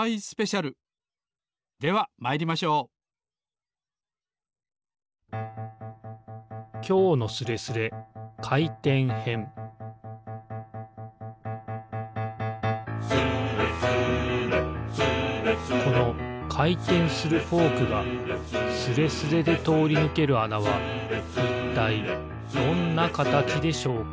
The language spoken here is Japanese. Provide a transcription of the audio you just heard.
ではまいりましょう「スレスレスレスレ」このかいてんするフォークがスレスレでとおりぬけるあなはいったいどんなかたちでしょうか？